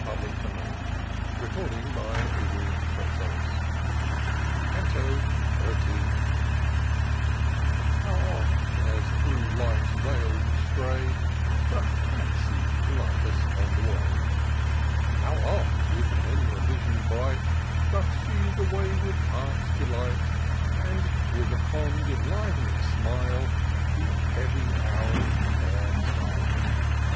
i 136 TOUR OF DOCTOR SYNTAX CANTO XIIL O W oft, as through Life's vale we stray, Doth Fancy Kght us on the way ! How oft, with many a vision bright, Doth she the wayward heart deUght ; And, with a fond enliv'ning smile. The heavy hour of care beguile